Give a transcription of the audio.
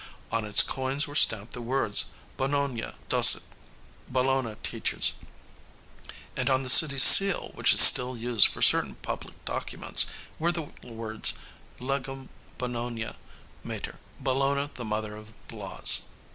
On its coins were stamped the words Bononia Docet Bologna teaches and on the city seal, which is still used for certain public documents, were the words Legum Bononia Mater Bologna, the Mother of Laws.